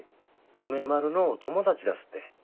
梅丸のお友達だすって。